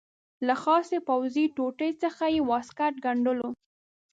له خاصې پوځي ټوټې څخه یې واسکټ ګنډلو.